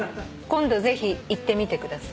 「今後ぜひ行ってみてください」？